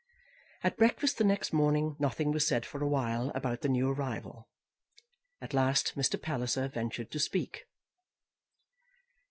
At breakfast the next morning nothing was said for a while about the new arrival. At last Mr. Palliser ventured to speak.